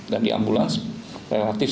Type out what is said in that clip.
dan di ambulans relatif